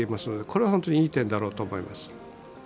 これは本当にいい点だろうと思います。